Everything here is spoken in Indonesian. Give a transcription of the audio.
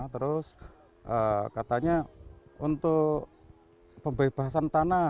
terus katanya untuk pembebasan tanah